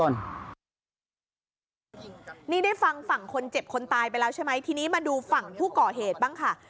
นี่ได้ฟังฝั่งคนเจ็บคนตายไปแล้วใช่ไหมทีนี้มาดูฝั่งผู้ก่อเหตุบ้างค่ะ